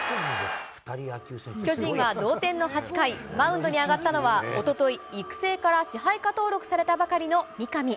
巨人は同点の８回、マウンドに上がったのは、おととい、育成から支配下登録されたばかりの三上。